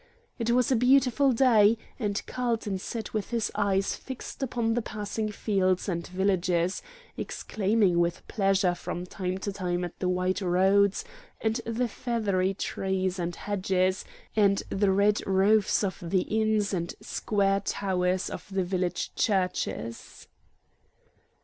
It was a beautiful day, and Carlton sat with his eyes fixed upon the passing fields and villages, exclaiming with pleasure from time to time at the white roads and the feathery trees and hedges, and the red roofs of the inns and square towers of the village churches.